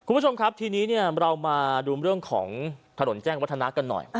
คุณผู้ชมครับทีนี้เรามาดูเรื่องของถนนแจ้งวัฒนากันหน่อย